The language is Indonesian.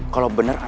kita lebih aman